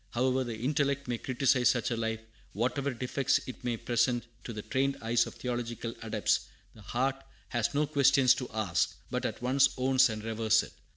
However the intellect may criticise such a life, whatever defects it may present to the trained eyes of theological adepts, the heart has no questions to ask, but at once owns and reveres it.